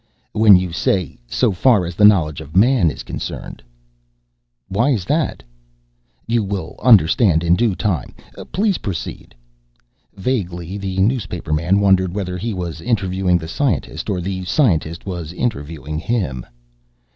"When you say 'so far as the knowledge of man is concerned.'" "Why is that?" "You will understand in due time. Please proceed." Vaguely the newspaperman wondered whether he was interviewing the scientist or the scientist interviewing him.